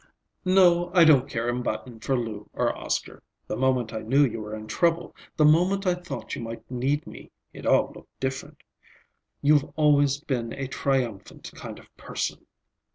"No, I don't care a button for Lou or Oscar. The moment I knew you were in trouble, the moment I thought you might need me, it all looked different. You've always been a triumphant kind of person."